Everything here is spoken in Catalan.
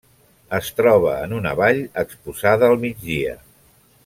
Es troba en una vall exposada al migdia.